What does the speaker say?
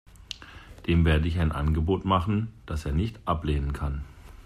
Dem werde ich ein Angebot machen, das er nicht ablehnen kann.